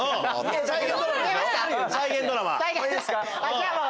じゃあもう。